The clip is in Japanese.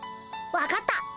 分かった。